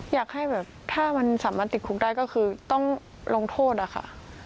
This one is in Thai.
อยากให้แบบถ้ามันสามารถติดคุกได้ก็คือต้องลงโทษอะค่ะ